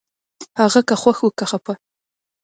هغه که خوښ و که خپه